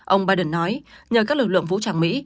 ông biden nói